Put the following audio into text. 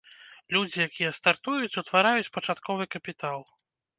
Людзі, якія стартуюць, утвараюць пачатковы капітал.